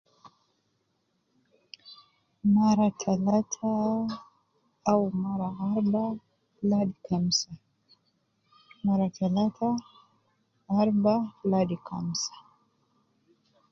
Mara talata au Aruba ladi kamsa. Mara talata arba kamsa